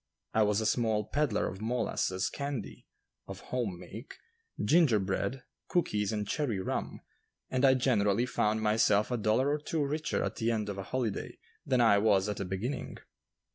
I was a small peddler of molasses candy (of home make), ginger bread, cookies and cherry rum, and I generally found myself a dollar or two richer at the end of a holiday than I was at the beginning.